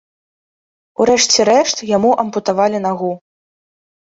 У рэшце рэшт яму ампутавалі нагу.